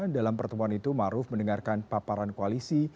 dalam pertemuan itu maruf mendengarkan paparan koalisi